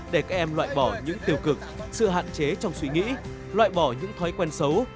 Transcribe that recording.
để các em loại bỏ những tiêu cực sự hạn chế trong suy nghĩ loại bỏ những thói quen xấu